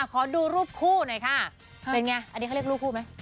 ขอดูรูปคู่หน่อยค่ะเป็นไงอันนี้เขาเรียกรูปคู่ไหม